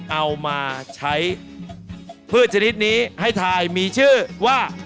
เอามาใช้พืชชนิดนี้ให้ทายมีชื่อว่า